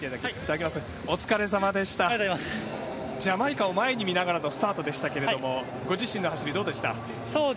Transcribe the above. ジャマイカを前に見ながらのスタートでしたがご自身のスタートはいかがでしたか？